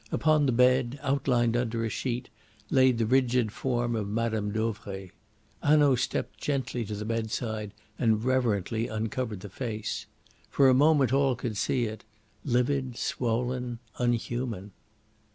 Upon the bed, outlined under a sheet, lay the rigid form of Mme. Dauvray. Hanaud stepped gently to the bedside and reverently uncovered the face. For a moment all could see it livid, swollen, unhuman.